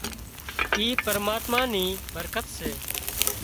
اِي پرماتما نِي برڪت سي